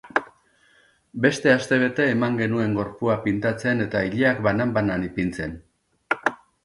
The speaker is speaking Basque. Beste astebete eman genuen gorpua pintatzen eta ileak banan banan ipintzen.